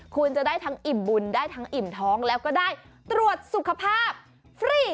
คุณจะได้ทั้งอิ่มบุญได้ทั้งอิ่มท้องแล้วก็ได้ตรวจสุขภาพฟรี